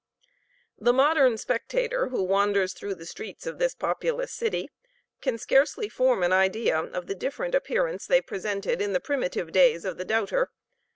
The modern spectator, who wanders through the streets of this populous city, can scarcely form an idea of the different appearance they presented in the primitive days of the doubter.